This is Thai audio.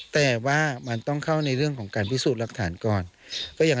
แต่ว่ามันต้องเข้าในเรื่องของการพิสูจน์หลักฐานก่อน